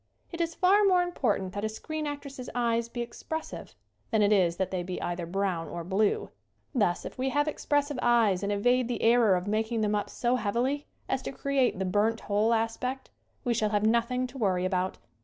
It is far more important that a screen actress's eyes be expressive than it is that they be either brown or blue. Thus if we have expressive eyes and evade the error of making them up so heavily as to create the "burnt hole" aspect we shall have nothing to worry about.